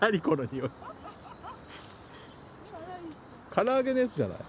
から揚げのやつじゃない？